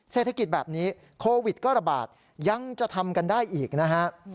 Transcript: เศรษฐกิจแบบนี้โควิดก็ระบาดยังจะทำกันได้อีกนะฮะ